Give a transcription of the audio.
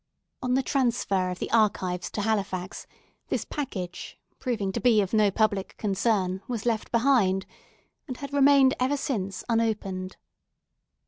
On the transfer of the archives to Halifax, this package, proving to be of no public concern, was left behind, and had remained ever since unopened.